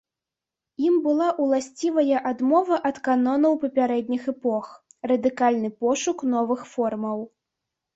Ім была ўласцівая адмова ад канонаў папярэдніх эпох, радыкальны пошук новых формаў.